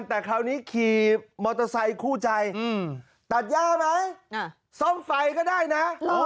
แต่คราวนี้ขี่มอเตอร์ไซคู่ใจตัดย่าไหมซ่อมไฟก็ได้นะ